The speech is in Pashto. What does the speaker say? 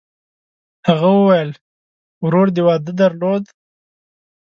هغه وویل: «ورور دې واده درلود؟»